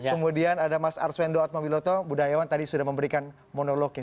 kemudian ada mas arswendo atmawiloto budayawan tadi sudah memberikan monologi